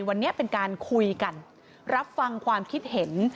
วันนี้เป็นการคุยกันรับฟังความคิดเห็น